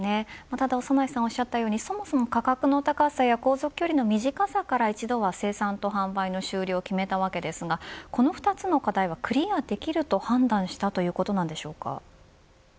ただ長内さんがおっしゃったように価格の高さや航続距離の短さから、一度は生産と販売の終了を決めたわけですけれどもこの２つの課題はクリアできると判断したということなんでしょうか。